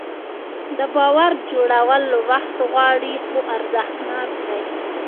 د باور جوړول وخت غواړي خو ارزښتناک دی.